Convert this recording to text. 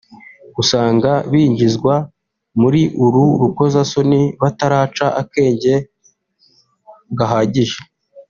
usanga binjizwa muri uru rukozasoni bataraca akenge gahagije